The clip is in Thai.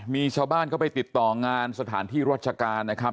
มีชาวบ้านเข้าไปติดต่องานสถานที่ราชการนะครับ